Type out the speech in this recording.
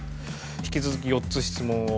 引き続き４つ質問を。